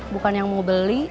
bukan yang mau beli